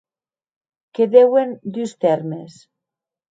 Que deuen dus tèrmes.